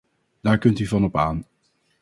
Daar kunt u van op aan.